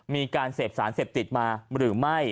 มีการเสพสารเสพติดมาหรือไม่